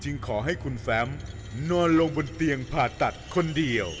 ขอให้คุณแฟมนอนลงบนเตียงผ่าตัดคนเดียว